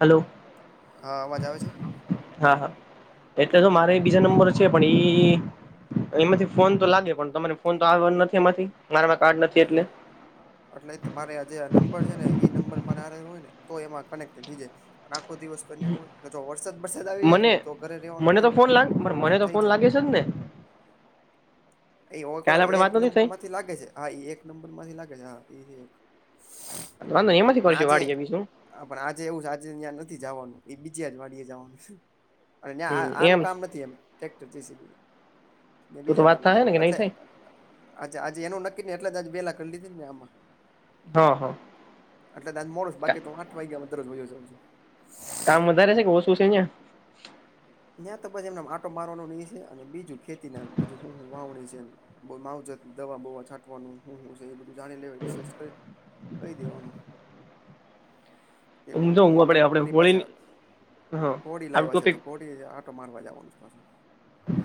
Hello હા અવાજ આવે છે હા હા એટલે તો મારે બીજા નંબર છે પણ એ એમાંથી ફોન તો લાગે પણ તમાને ફોન તો આવ નથી એમાંથી મારામાં કાર્ડ નથી હા એટલે એટલે મારે આ જે નંબર છે ને એ નંબર મારે હરે હોય ને તો એમાં કનેક્ટ થઈ જાય આખો દિવસ તો ન્યાં હોય અને જો વરસાદ બરસાદ આવી જાય મને ને તો ઘરે રવાનું મને તો થાય ને ફોન લાગ તો વાન મને થઈ ફોન જાય લાગે ને એ હો કાલે આપડે એક વાત નથી નંબર થઈ માંથી લાગે છે હા એક નંબર માંથી લાગે છે હા ઈ છે એક વાંધ ન એમથી કરશું વાડી બીજું હા પણ આજે એવું છે આજે ત્યાં નથી જવાનું એ બીજ જ વાડીીે જવાનું છે અને હમ એમ આનું કામ નથી એમ ટક્ટર જેસીબી નું તો તો બીજા વાત કમે થાય ને કે નઈ થાય અચ્છા આજે એનું નક્કી ને એટલે જ આજ બે લા કરી લીધી ને મેં આમાં હા હા એટલે દા મોડો બાકી હ આઠ વાગ્યામાં દરરોજયો જાઉ છું કામ વધારે છે કે શું છે અહિયાં ત્યાં તો પછી એમને માટો મારવાનો ન છે અને બીજું ખેતી ના બીજું હું વાવણી છે એ માવજત દવા બોવા છાંટવાનુંનુ એ બધું જાણી લે રિસર્ચ કરી કહી દેવાનું એ બ હું જો પણ હું મોટા આપડે બાપુ આપડે ની હોળી પાછા હા ખોડી આપડું લાવવા છે ટોપિક તો મોોટી આટો મારવા જવાનું પાછું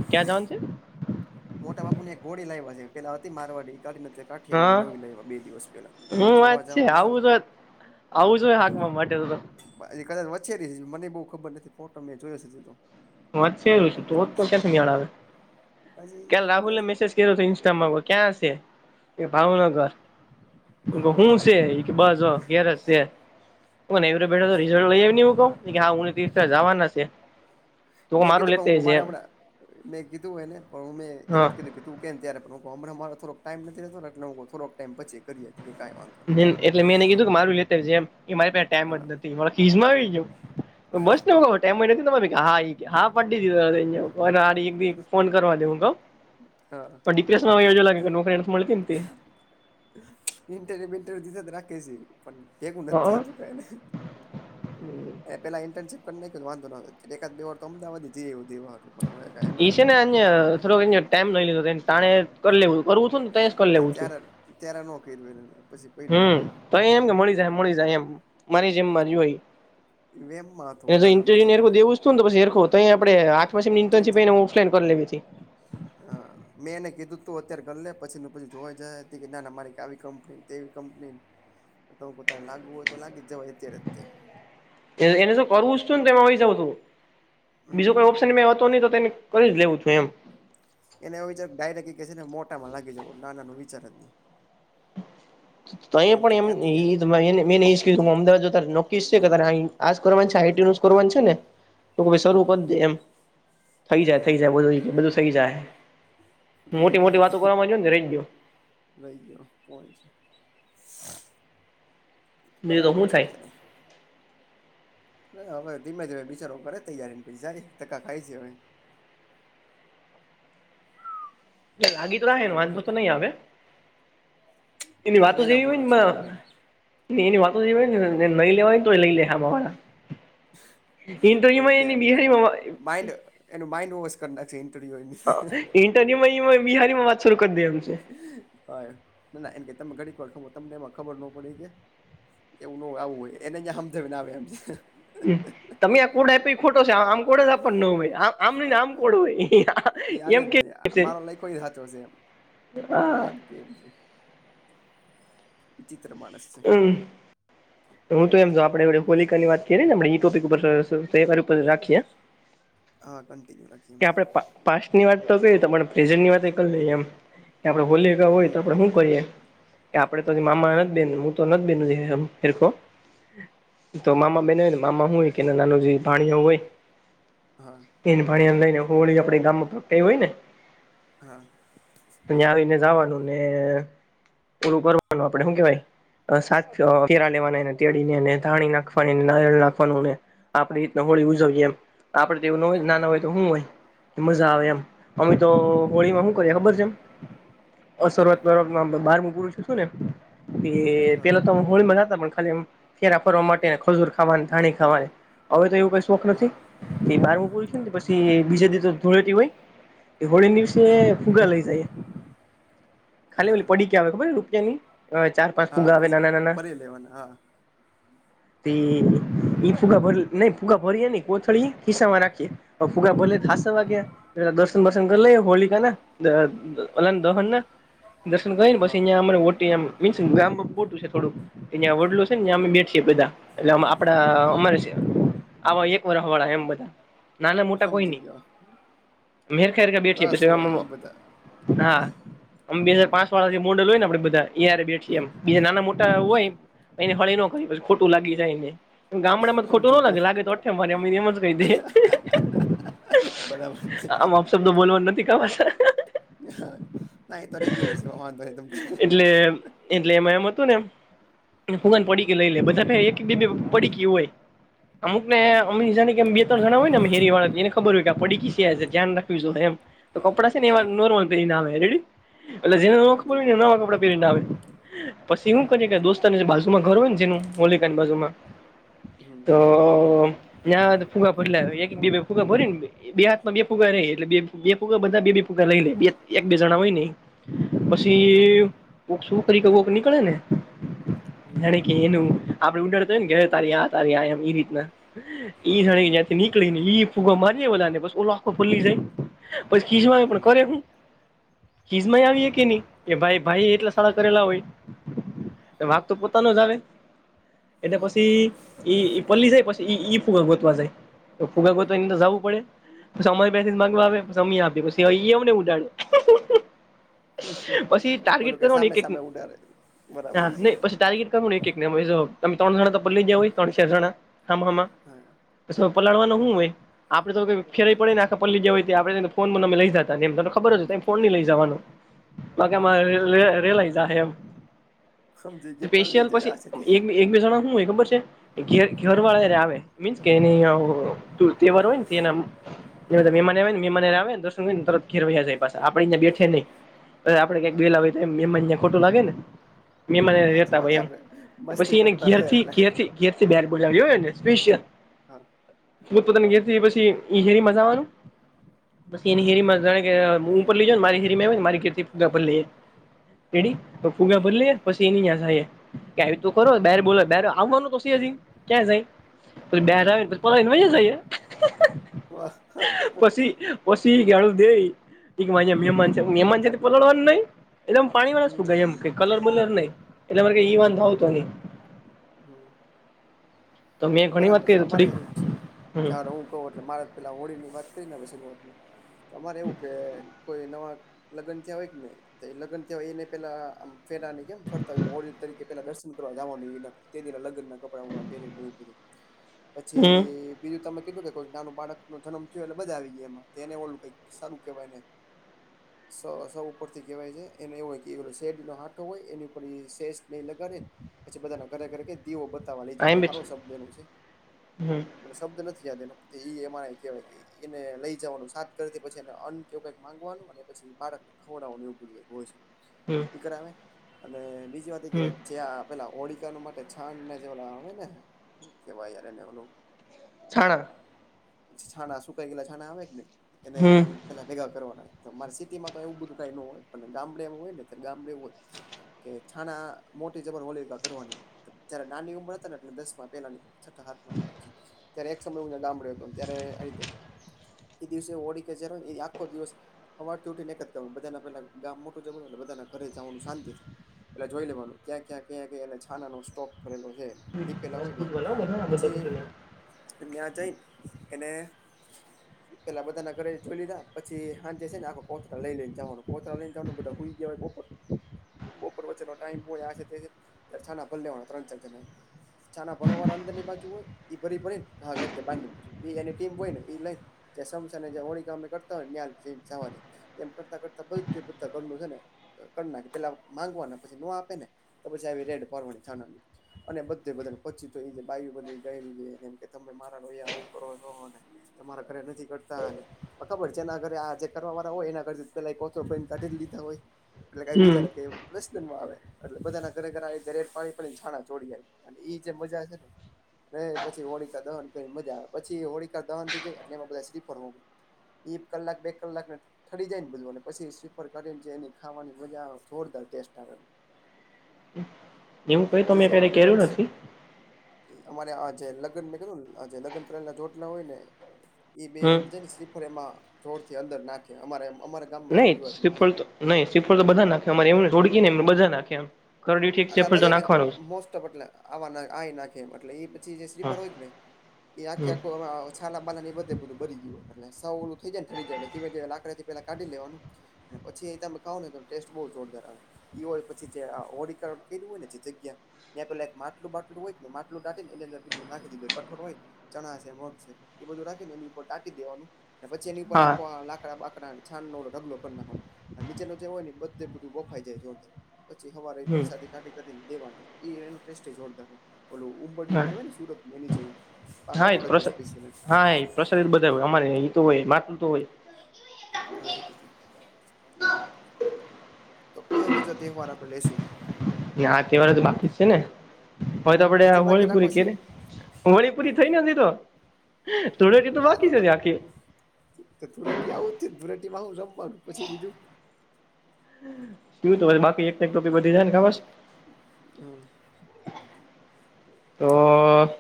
ક્યાં જ છે મોટા બાપુ ની એક ગોડી લાવવા છે પેલા હતી મારવાડી કાને કાઠિયાવાડી નવી હા લાવવા બે દિવસ પેલાટલે હું એ વાત જોવા જવાની છે આવું જો હો હાકબ માટે તો કદાચ વચે ર મને બહુ ખબર નથી ફોટો મેં જોયો છે તીધ તો હું વાતછ એું છે તું તો ક્યાં ળ આવે હજી ક્યાલ રાહુલને મેસેજ તો ઇન્સ્ટામાં ક્યાં છે એ ભાવનગર હા હું બસ ગેરજ છેવી બેઠા રિઝલ લઈ હું કહ હા હું દિવ જવાના છે તો મેં મારું કીધું પણ લેતા હું છે મારે હમણાં મેં કીધું એને પણ હું મેં હા એને કીધું કે તું કે ત્યારેરે થોક ટાઈમ નથીતો એોક ટાઈમ બચે કરી હતી કે ક વાંધ હ એટલે મેં એને કીધું કે મારું લે જે એ મારી ટમ જ હા નથી મા ફીજમાં આવી ગ બસ ને નથી હા હા પીધ ફોન કરવા દે હું ક હા યો લ મળીતી ને ઇન્ટરવ્ય વિન્ટરવ્યુ દીધ જ રાખે છે પણ એવું નથી થતું કઈને એ પેલા ઇન્ટર્શપ કરનેં વાંધો નો એકાદ બે વાર અમદવાદ જઈવું એ એ છે ને અ થોડોક ટાઈમ લઈ લીધો તાણે કરી લેવું કરવું છું ને ત જ કરી લેવું હતું ચાર ચાર નોક હમ તો એમ કે મળી જાય મળી જાય એમ મારી જેમ મારી હોય વેમમાં હતો એને તો વધારે પડતો ઇન્ટર દેવું શું પેખ તોહી આપણે થઈ જાત. આઠની ઓફલાન કરી લેવી હા મેં એને કીધું તું અત્યારે ગ લે પછી પછી જોઈ જાય હતી કે ના ના મારી આવી કંપની તેવી કંપની તમે પોતાને લાગુ હોય તો લાગી જવાય અત્યારે અત્યારે એને જો કરવું ને તો એમાં આવી જવું તું હમ બીજું કઈ મેં હતો નહી તો તેને કરી જ લેવું છું એમ એને ડાયરેક્ટ એ કે છે ને મોટામાં લાગ જ નાનાનો વિચાર જ નઈ તો ક્યાંથી યાર પણ એમને અમદાવાદ જો ત નક્કી છે કે ત આજ કરવાનું છે આઈટી નું કરવાનું છે ને તો કે શરૂ હા કરી એમ થઈ જાય હમ થઈ જાય બ બધું થઇ જાય એમ મોટી કે મોટી ત વાતો કરવામાં જો ને રહી ગયો ભાઈ ગયો કોય છે બીજું તો બરાબર શું છે થાય ત્યારે હવે ધીમે ધીમે બિચારોું કરે તૈયારી ને પછી જાય ટકા ખાય છે હવે લાગી તો રાખે ને એવું વાંધ છે તો તે નહી આવે એની એ તો વાતો વેલા જેવી હોય મોડા છ ને મહિના ન એની વાતો જેને નહી લેવાય તો એ લઈ લે અમા ઓ કે બિહારીમાં માન્ડ એનું માઇન્ડ વવ કર ના ઇન્ટરવ્યુમાં બિહારીમાં વાત શરૂ કરી દમ હા ના ના એમ કે તમે ઘડીક વાર ખબર તમને એમાં ખબર ન પડી કે એવું ન હોય આવું હોય એને જ આમજને આવે એમ તમે આ કોુડ આપ્યો ખોટો છે આમ કોડ આપ ન હોય આ આમ ન આમ કોડો હોય એ હાલે એમ જ કે નહી મારો લઈખો હ હા ગમઝ ચિત્રમાં હમ હું તો એમ જો આપણેે હોલિક ની વાત કરીએ ને ટોપિક ઉપ તહેવારી ઉપર રાખીએ હા કન્ટિન્યુ રાખીએ કે એમાં આપણે પાસ્ટ ની વાત તો કઈ તો પણ પ્રેઝન્ટની વાત કરી લઈએ એમ આપડે બોલીએ હોય તો હમ આપે શું કરીએ કે આપડે તો મામા નથી બન હું તો નથી બન હ તો મામા બેને હોય ને મામા હું હોય કે નાનું જે ભાણીઓ હોય હા એને પાણીને લઈને હોળી આપે ગામ હોય ને હા તં આવીને જવાનું ને પૂરું કરવાનું આપડે શું કેવાય સા પરા લેવાનાને તેળનેને ધાણી નાખવાની નારિયળ નાખવાનુંને આપણી રીતના હોળી હમ ઉજવીએ એમ આપડે તોવું ન હોય નાના હા હોય તો શું હોય મજા આવે એમ મમ્મી તો હોળી માં શું કરી ખબર છે એમ અ શરૂઆતમાં બારમું પુરુ છું શું ને કે હા પેલા તો હ હોળીમાં જતા પણ ખાલી ફ ફરવા માટે ખજૂર ખાવાની ધાણી ખાવાની હવે તો એું હા નથી બારું પૂરું છે હમ પછી બીજા દિવ તો ધૂળેતી હોય હોળી દિવસે ફુગા લઈ જાય હા ખાલીલી પડી કે આવે ખબર રૂપિયાની ચાર પાંચ ફુગા હા આવે પછી નાના નાના ફરી લેવાના હા તે એ ફૂગા ભરી નઈ ફુગા ભરીએ ન કોથળી ખિસ્સા માં નાખીએ ફુગા ભ થાસવા ગયા પેલા દર્શન વર્શન કરી લઈએ હોલિકા નાને ઓલાને દહન ના દર્શન કરીને પછ હા અંયા અમરે ઓટીમ મીન્સ ગામ ખોટું છે થોડું કે જ્યાં વડલો છે ને અમે બેઠીએ બધા એટલે આપડા હા અમારે છે આવા એક વરવાળા એમ બધા નાના મોટા કોઈ સમજી ગયો નહી હરખ હેરખા બેઠી રસ છે એ હોય બધા હા અમે બે હજ પાંચ વાળા મોડ હોય ને આપડે બધા અં બેઠ મ બીજા નાના મોટા હોય એને હળી ન કરી પછ ખોટું લાગી જાયને ગામડામાં જ ખોટું સમજી ન લાગે ગયો લાગે તો મારી અમ્ી ને એમ જ કઈ દી બરાબર છે આમ આપપ શબ્દ બોલવાનું નથી ખબ ના તો રેગ્યુલર છે વાંધો ને તમ તો એટલે એટલે એમાં એમ હતું ને એ ફુગાન પડીકી લઈ લે બધા એક બે પડી ગ હોય અમુક ને હા અમમે ીજા ને કેમી ણા હોય ને હેરી વાળા એનેબર હોય કે આપ પડીકી છે ધ્યાન રાખ્યુંશું એમ તો કપડાં છે ને એ હા નોર્મલ પ આવે રેડી એટલે જેને ન સમજી કપડ હોયને ગયા નવા કપડાં પહેરીને આવે પછી એવું હા કરે કે દોસ્તને બાજુમાં ઘર હોય ને જે એનું મોલિકાની બાજુમાં હમ તો્યાં ફુગા ભરીલા ફુગા ભરી ને બે હા માં બે ફુગા રે એટલે બે ફગા બધા બે ફગા લઈ લે બે એક બે જણા હોય નહ હા પછી કોક શું કરી કે વોક નીકળે ને હમ જાણે કે એનું આપડ ંડાડતોય ને ગ તારી આ તારી આ એમ એ રીતના ઈ જા હા જ્યાં થી નીકળી ને ઈ ફુગા મારી બાને બસ ઓ ખુલ્લી જાય પછી ખીચવા પણ હા કરે હું ખીજ ય આવીએ કે નહી એ ભાઈ ભાઈ એટલા સડાા કરેલા હોય હમ વાક તો ન જાવ એટ હા બરાબર પછી છે ઈ પલ્લી જાય પછી ઈ ફૂગ ગોતવા જાય તો ફુગ તો એ તો જવું પડે પછ અમારે બે માગ હમ અી આપી પછી અયાને ઉડાડ્યો પછી ટાર્ગેટ ઓલું કે કરવા ન સામે એક ન સામે ઉડાડે બરાબર છે પછી ટારગેટ એક તમે ત્રણ જણા તો પલે જઓ હા હોય ત્રણ ચાર જણા હમા હમા હા તો પલાળવાનો શું હોય આપડે તોઈ ફેઈ હમ પડેનેખા પળ જવા હોય તો આપણેને ફોન અમે લઈ જતા એમ ખબર હ છે ત ફોન નની લઈ જવાનું બા કે હા આમાં રે લઈ જ હ એમ સમજી કે પલળી સ્પેશિયલ જાય પછી આ છે તે એક એક બેસાણા શું હો ખબર છે ઘ ઘર વાળા આવે મીન્સ કે એની તહેવાર હોય ને એ એ મેમાને આવે ને મેમાને આવેને ર પા આપડેયા બેઠે નહી આપડે ક્યાક હા ગયેલા હોય તો એમાં અ ખોટું લાગે ને મહેમાન એ હા, સાચી રહેેતા વાત હોય છે એમ આપડે મસ્તી પછી એને કરતા હોય ઘેરથી એટલે ઘેર થી ઘેથી બેર બોલાવિયો હ એને સ્પેશિયલ હા પોતપતાની હા ઘેરથી પછી હેરી મજાવાનું બસ એની હેરી મજા [unintelligible] પછી હમ એની જ કે તો કરો હમ બોલો આવવાનું તો ક્યાં સાઈ ત બાર હા આવેને પલાને મજા જઈએ વાહ પશી પછી કેળ દે મન છે ભૂકા મહેમાન છે કાઢ નાખે પલળવાનું નહિ એમ પાણી વાળ હમ એમ ક કલર બલર નહી એટલે મારે ઈ વાન હોવ તો નહીઈ હ તો મેં ઘણી વાત બરાબર છે કરી તો થોડીક અમારે એવું છે [unintelligible] હમ હું લે મારે પેલા હોળી ની વાત કરી શુરૂઆત મા તો અમારે એવું કે કોઈ નવા લગ્નન થિયા હોય ને લગ્ન થવાય એને પેલા ફેલાની કેમ ફરતા હોય હોળી તરીકે પેલા દર્શન કરવા જવાનું ન એ તે તેના લગ્નન ના કપડા પહેરીને એવુ બધું હમ પછી બીજું તમે કીધું કે કોઈક નાનું બાળકનો જન્મ થયો એટલે બધા આવી ગયા એમાં એને ઓલું સારૂ કહેવાય ને [inaudible] સ સ ઉપર થી કેહેવાય છે એને એ હોય કે શેરડી નો હાઠો હોય એની ઉપ શેષ નહી લગળે પછી બધાના ઘરે ઘરે દીવો બતાવવા લે આઈ એમ જ હારો બેઠી શબ્દ એ છે હમ મને શબ્દ નથી યાદ એનો ઈ એમાં કેવા ઈ લઈ જવાનું સાત કરતી પછી એને અન્ન કેવું કઈક માંગવાનું અને પછી બાળક ખવડવાનું એવું બધું હોય છે હમ્મ [unintelligible] બીજી વાત કે જે પેલા ઓળકા માટે છાંણને જે આવે ને હુ કેવાય યાર એ ને ઓલુ છાણા છાના શું કાંઈ ગેલા છાના આવે કે ને એને હમ પેલા ભેગ કરવાનારે સિટીમાં એવું બધું કઈ ન હોય ગામડમાં હોય ને ગામ હોય કે છાના મોટી જબર ઓલીગા કરવાની હોય જયારે નાની ઉંમર ને એલે દસમાં પેલા છઠા હતામાં ની વાત છે ત્યારે એક સમય હું ગામડે હતો ત્યારે આ રીતે એ દિવસે ઓળી કે જ આખો દિવસ હવારથી ઉઠીને જ બધાના પેલા ગામ મોટું જનુંટલે બધના ઘરે જવાનું શાંતિ એટલે જોઈ લેવાનું ક્યાં ક્યાં ક ક એ છાના નો સ્ટોક કરેલો છે લીપેલા હોય પછી [unintelligible] [unintelligible] એને [inaudible] પેલા બધા ના ઘરે જોઈ લીધા પછી હાજે છે ને આખા કોચરા લઈ લઈને જવાનું કોચરા લઈને જવાનું બધાઈ ગયાવાયપ બપોર વચ્ચે નો ટાઈમે હોયે આ છેં તે છેં છાના ભર લેવા ના ત્રણ ચાર જણા છાના વાર અંદર ની બાજુ હોય ભરી ભરીને ઘ બા એની ટીમ હોય ને એ લઈ જે સમસા ને હોળી કામે કરતા હોય ન્યા જય ને જવા દે એમ કરતા કરતા બધું બધા કરું છે ને કર નાખ પેલા માંગવાના પછી નો આપે ને તો પછી આવી રેડ ભરવાની થ અને બધે બધા [unintelligible] તમારા ઘરે નથી કરતા ખબર છે એના ઘરે આ જે કરવા વાળા હોય એના પેલા કાઢ લીધા હોય એટલે ક હમ બીજાને પ્રશ્નમાં આવે એટલે બધાના ઘરે ઘરે દરે પાણી છાણા ચોડી જાય એ જે મજા છે ને ર પછી હોળીકા દવન કરીને મજા આવે પછી હોળીકાા દવન થી જાય એટલે એમાં બધા શ્રીફળ હો એક કલાક બે કલાક [unintelligible] ખવાની મજા જોરદાર ટેસ્ટ આવે એવું કઈ તો એ મે જે ક્યારે કર્યું નથી અમારે આ જે લગ્ન ને કેધું આ લગ્ન તળલ ના જોટલા હોય ને એ બે હમ ને શ્રીફળ એમાં જોરથી અંદર નાખે અમા અમારા ગામમાં એવો રિવાજ ન છે નઈ શ્રીફળ તો બધા નાખે અરે એમ હોળી ને બધા નાખ્યા એમ કરડીઠી એક એટલે શ્રીફળ તો બધા નાખે નાખવાનું જ મોસ્ટ ઓફ એટલે નાખે એ એટલે એ પછી જે હા શ્રીફળ હોય કે હમ ક્યા કો આવે છે છાલા બાલા ની બધે બધું બરી ગયુંય એલે સવ ઓલું થઈ જાય રી જાય લાકડી પેલા કાઢી લેવાનું અને પછી એ તમે કહાવને ટેસ્ટ બ જોરદાર આવે હોય પછી ઓડી ણ કું હોય નથી જગ્યા એ્યાં પેલા એક માટું બાટું હોય ને માટલુંાટી ને એ અંદર બધું નાખીધ કઠોર હોય ચણા છે મગ છે એ બધું રાખીને એની ઉપર ટાટી દેવાનું અને પછી એની ઉપર હા રાખવા લાકડા બા છઢગ ના નીચેનો જે હોય ને બધે બધું બફાઈ જાય જોરદાર પછી હવા હમ વરસાદી કાી કરીને દેવાની એ ટે જોરદાર ડ હા કેવાય ને સુરત એની જવું કઠોડ સ્પિયલ પ્રસારીિત બધા હોય અમારે તો હોય માતું તો હોય હ તીતે તો કયો બીજો તહેવાર આપડણે લેશું ના તહેવારે તો બાકી જ છે ને હવે તો આપડે હજી બાકી રાખો હોળીપુરી કે છે ર વળી પૂરી હા થઈ નથી તો તુળેટી તો બાકી છે આખી ધૂળેટી આવુંને ધૂળેટીમાં હું રમવાનું પછી બીજું હમ હુ બાકી એક ટોપિક બ વધી જાય ને ખબર હા તો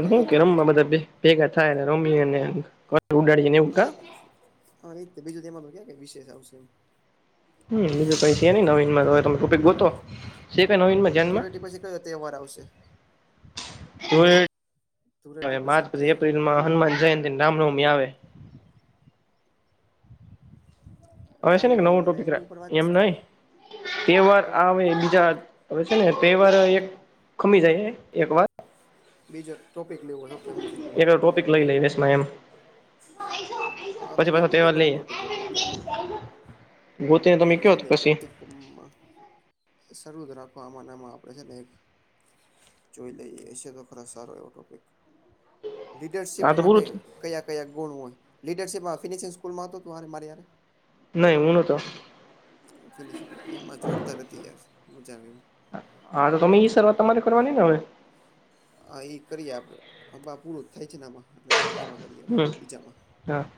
કયો કે ધૂળેટી રમવા બધા ભેગા થાય રમી હ ર બીજું તેમાં તો ક વિશેષ આવશે એમ હમ બીજું કઈ છે ન નવીનમાં હ તમે ટોપિક ગોતો શે નવીન માં ધ્યાન માં ધૂળેટી પછી કયો તહેવાર આવશે ધૂળેટી માર્ચ તે પછી એપ્રિલમાં હનુમાન જયંતિ રામનવમી આવે [unintelligible] હવે છે ને નવું રામનવમીના ટોપિક એની ઉપર વાત એમ ન તહેવાર તો આવે બીજા હવે છે ને પે વાર એક ખમી જાય એક વાર બીજર ટોપિક લેવો હતો એક ટોપિક લઈ લઈએેશ માં એમ હા તો પછી કઈક પાછો બીજો તહેવાર નવો લઈએ ટોપિક રે ટો ગોતીને એ તમે કયો નઈ તો લઈ પછી ટોપિક શૃત રાખવા આમાં નામાં આપણે છે ને એક જોઈ લઈએ હ છે તો ખરા સારો એવો ટોપિક લીડરશિપ હા તો માટે પૂરું કયા કયા ગુણ હોય લીડરશિપ ફિનિશિ સ્કૂલમાં હતો તું મારે નહી હન તો ફિનિશિંગ એમાં જોરદાર હતી યાર છે મજા આવે એું હા તો તમે શરૂઆત તમારે કરવાની ને હવે હ એ કરીએ આપડ પૂરું થાય છેને આમાં એટ કેમાં કરીએ હ હમ બીજામાં હા